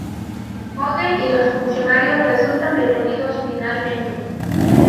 Vogel y los funcionarios resultan detenidos finalmente.